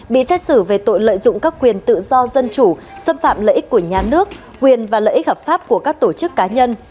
bị xét xử về tội lợi dụng các quyền tự do dân chủ xâm phạm lợi ích của nhà nước quyền và lợi ích hợp pháp của các tổ chức cá nhân